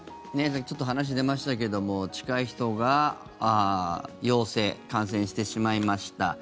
さっきちょっと話に出ましたけど近い人が陽性感染してしまいました。